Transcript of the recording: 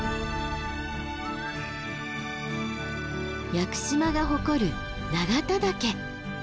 屋久島が誇る永田岳。